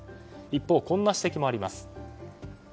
一方、こんな指摘もあります。